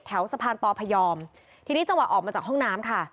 แถวสะพานตพยอมที่นี่จะว่าออกมาจากห้องน้ำค่ะ